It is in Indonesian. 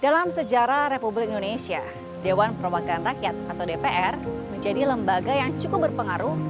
dalam sejarah republik indonesia dewan perwakilan rakyat atau dpr menjadi lembaga yang cukup berpengaruh